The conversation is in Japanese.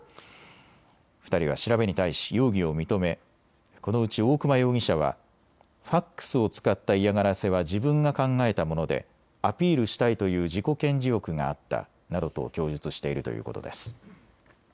２人は調べに対し容疑を認め、このうち大熊容疑者はファックスを使った嫌がらせは自分が考えたものでアピールしたいという自己顕示欲があったなどと供述しているということです。